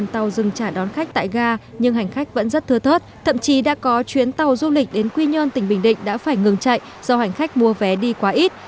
trong khi đã có chuyến tàu du lịch đến quy nhơn tỉnh bình định đã phải ngừng chạy do hành khách mua vé đi quá ít